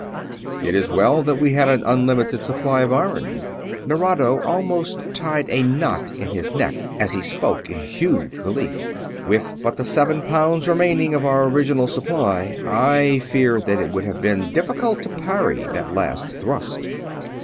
"It is well that we had an unlimited supply of iron." Nerado almost tied a knot in his neck as he spoke in huge relief. "With but the seven pounds remaining of our original supply, I fear that it would have been difficult to parry that last thrust."